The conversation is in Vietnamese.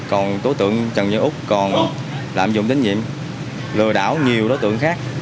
còn tố tượng trần văn út còn lạm dụng tín nhiệm lừa đảo nhiều tố tượng khác